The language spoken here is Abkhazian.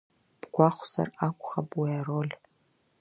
Бгәахәзар акәхап уи ароль.